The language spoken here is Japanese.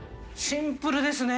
シンプルですよね。